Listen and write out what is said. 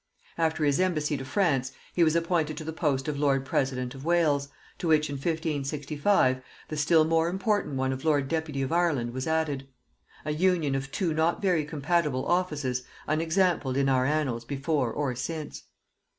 After his embassy to France he was appointed to the post of lord president of Wales, to which, in 1565, the still more important one of lord deputy of Ireland was added; an union of two not very compatible offices, unexampled in our annals before or since.